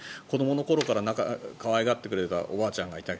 子どもの頃から可愛がってくれたおばあちゃんがいた。